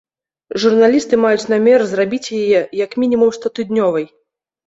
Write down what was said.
Журналісты маюць намер зрабіць яе як мінімум штотыднёвай.